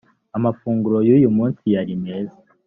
amafunguro yuyumunsi yari meza